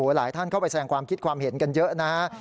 หลายท่านเข้าไปแสงความคิดความเห็นกันเยอะนะครับ